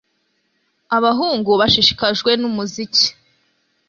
Abahungu bashishikajwe numuziki